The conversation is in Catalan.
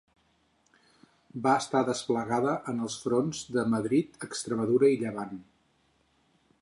Va estar desplegada en els fronts de Madrid, Extremadura i Llevant.